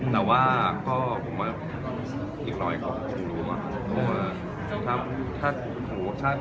แต่ว่ากลมเวิกอีกล็อดของผมคงรู้